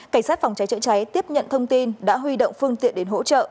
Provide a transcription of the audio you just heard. cảnh sát phòng cháy chữa cháy tiếp nhận thông tin đã huy động phương tiện đến hỗ trợ